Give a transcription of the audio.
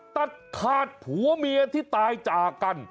ตัดขาดผัวเมียที่ตายจากกัน